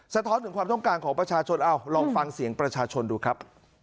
ท้อนถึงความต้องการของประชาชนลองฟังเสียงประชาชนดูครับ